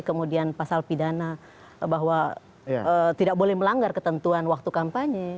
kemudian pasal pidana bahwa tidak boleh melanggar ketentuan waktu kampanye